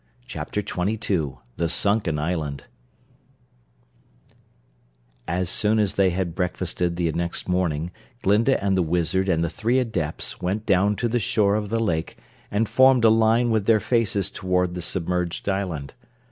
Chapter Twenty Two The Sunken Island As soon as they had breakfasted the next morning, Glinda and the Wizard and the three Adepts went down to the shore of the lake and formed a line with their faces toward the submerged island.